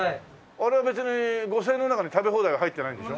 あれは別に５０００円の中に食べ放題は入ってないんでしょ？